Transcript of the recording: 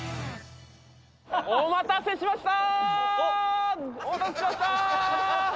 お待たせしました。